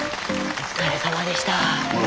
お疲れさまでした。